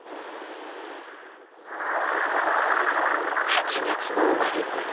８月の終わり。